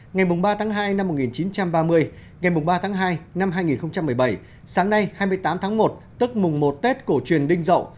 ngày ba tháng hai năm một nghìn chín trăm ba mươi ngày ba tháng hai năm hai nghìn một mươi bảy sáng nay hai mươi tám tháng một tức mùng một tết cổ truyền đinh rậu